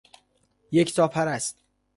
یکتا پرست